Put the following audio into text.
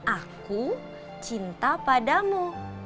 aku cinta padamu